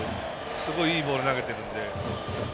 すごいいいボール投げてるんで。